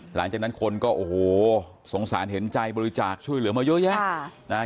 หลังจากนั้นคนก็โอ้โหสงสารเห็นใจบริจาคช่วยเหลือมาเยอะแยะนะฮะ